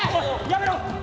「やめろ」。